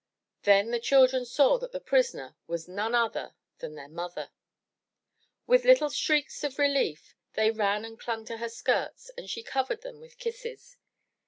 Then the children saw that the prisoner was none other than their mother. With little shrieks of relief they ran and clung to her skirts and she covered them with kisses.